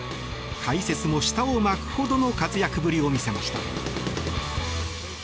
解説も舌を巻くほどの活躍ぶりを見せました。